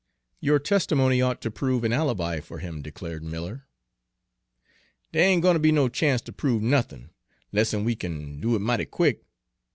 "Your testimony ought to prove an alibi for him," declared Miller. "Dere ain' gwine ter be no chance ter prove nothin', 'less'n we kin do it mighty quick!